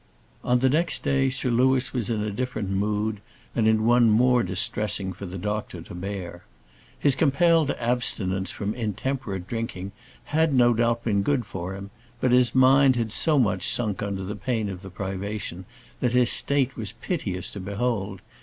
On the next day, Sir Louis was in a different mood, and in one more distressing for the doctor to bear. His compelled abstinence from intemperate drinking had, no doubt, been good for him; but his mind had so much sunk under the pain of the privation, that his state was piteous to behold.